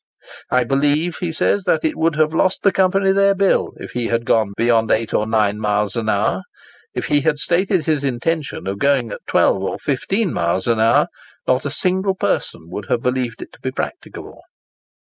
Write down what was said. "I believe," he says, "that it would have lost the Company their bill if he had gone beyond 8 or 9 miles an hour. If he had stated his intention of going 12 or 15 miles an hour, not a single person would have believed it to be practicable."